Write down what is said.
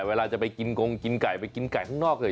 เวลาจะไปกินกงกินไก่ไปกินไก่ข้างนอกเลย